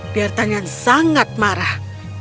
diatanyan sangat marah